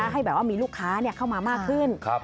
ให้แบบว่ามีลูกค้าเข้ามามากขึ้น